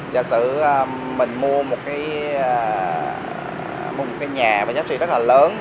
giả sử mình mua một cái nhà với giá trị rất là lớn